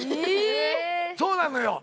そうなのよ。